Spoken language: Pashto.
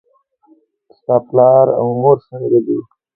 ستا پلار او مور څنګه دي؟